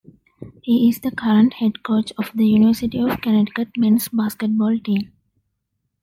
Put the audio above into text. He is the current head coach of the University of Connecticut men's basketball team.